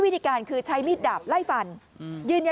มีการฆ่ากันห้วย